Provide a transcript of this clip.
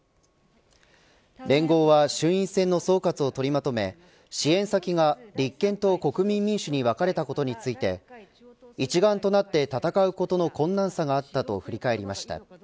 連合は衆院選の総括を取りまとめ支援先が立憲と国民民主に分かれたことについて、一丸となって戦うことの困難さがあったと振り返りました。